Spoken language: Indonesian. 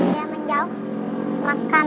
dia menjauh makan